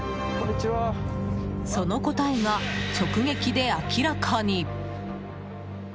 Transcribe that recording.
その答えが直撃で明らかに。